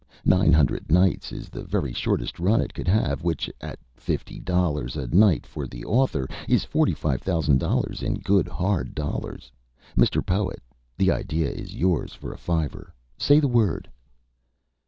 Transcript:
Nine hundred nights is the very shortest run it could have, which at fifty dollars a night for the author is $45,000 in good hard dollars. Mr. Poet, the idea is yours for a fiver. Say the word."